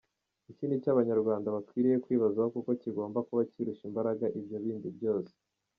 Iki nicyo abanyarwanda bakwiriye kwibazaho kuko kigomba kuba kirusha imbaraga ibyo bindi byose.